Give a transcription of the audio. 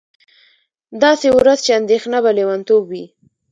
داسې ورځ چې اندېښنه به لېونتوب وي